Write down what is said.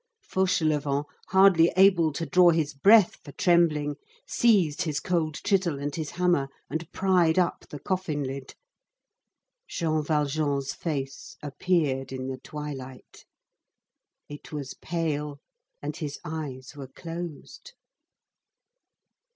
Fauchelevent, hardly able to draw his breath for trembling, seized his cold chisel and his hammer, and pried up the coffin lid. Jean Valjean's face appeared in the twilight; it was pale and his eyes were closed.